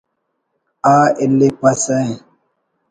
آ اِلیپسہ